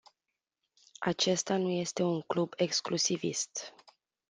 Acesta nu este un club exclusivist.